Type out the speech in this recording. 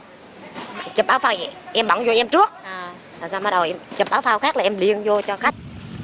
chụp áo phao em bỏ vô em trước rồi sau bắt đầu chụp áo phao khác là em liên vô cho khách